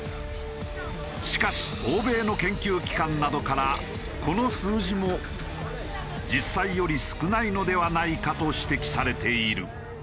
しかし欧米の研究機関などからこの数字も実際より少ないのではないかと指摘されている。